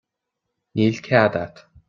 Níl cead agat.